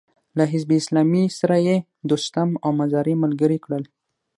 له حزب اسلامي سره يې دوستم او مزاري ملګري کړل.